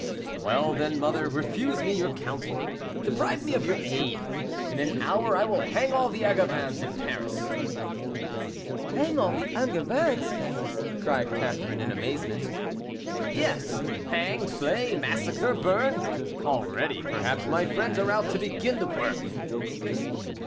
"Well, then, mother, refuse me your counsel, deprive me of your aid. In an hour I will hang all the Angevins in Paris." "Hang all the Angevins!" cried Catherine, in amazement. "Yes, hang, slay, massacre, burn; already, perhaps, my friends are out to begin the work."